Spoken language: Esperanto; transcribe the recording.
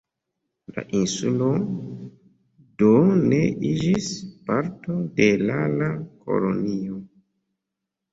La insulo do ne iĝis parto de la la kolonio.